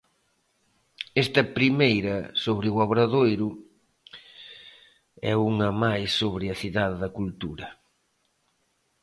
Esta primeira sobre o Obradoiro e unha máis sobre a cidade da Cultura.